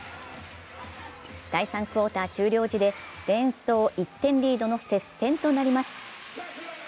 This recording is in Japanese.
第３クオーター終了時でデンソー１点リードの接戦となります。